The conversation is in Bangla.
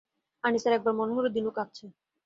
আনিসের এক বার মনে হলো, দিনু কাঁদছে।